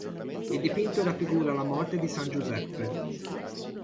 Il dipinto raffigura la morte di san Giuseppe.